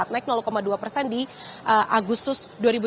naik dua persen di agustus dua ribu dua puluh